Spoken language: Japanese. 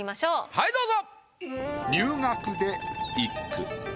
はいどうぞ。